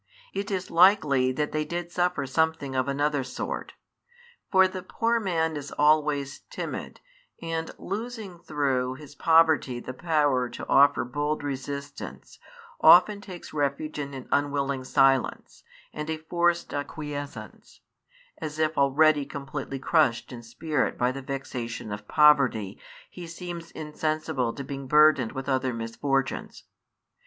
It is likely that they did suffer something of another sort; for the poor man is always timid, and, losing through, his poverty the power to offer bold resistance, often takes refuge in an unwilling silence, and a forced acquiescence: as if already completely crushed in spirit by the vexation of poverty, he seems insensible to being burdened with other misfortunes.